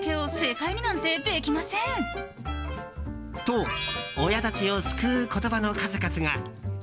と親たちを救う言葉の数々が。